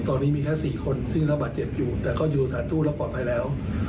ตอนนี้มีแค่๔คนซึ่งระบาดเจ็บอยู่แต่ก็อยู่สถานตู้แล้วปลอดภัยแล้ว